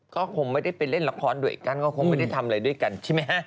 ก็คงไม่ได้ไปเล่นละครด้วยกันก็คงไม่ได้ทำอะไรด้วยกันใช่ไหมฮะ